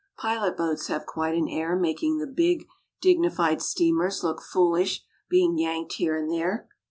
Pilot boats have quite an air making the big, dignified steamers look foolish being yanked here and there.